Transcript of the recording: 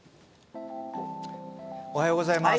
おはようございます。